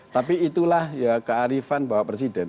tapi itulah ya kearifan bapak presiden